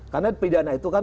karena pidana itu kan